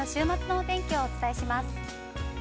◆ここで全国の週末のお天気をお伝えします。